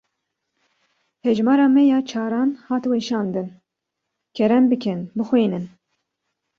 Hejmara me ya çaran hat weşandin. Kerem bikin bixwînin.